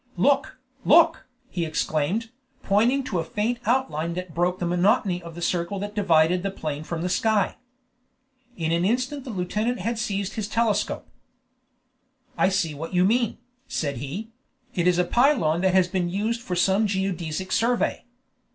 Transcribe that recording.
"Look! look!" he exclaimed, pointing to a faint outline that broke the monotony of the circle that divided the plain from the sky. In an instant the lieutenant had seized his telescope. "I see what you mean," said he; "it is a pylone that has been used for some geodesic survey."